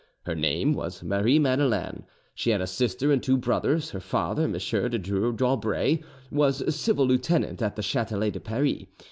Her name was Marie Madeleine; she had a sister and two brothers: her father, M. de Dreux d'Aubray; was civil lieutenant at the Chatelet de Paris.